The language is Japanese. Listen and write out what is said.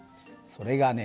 それがね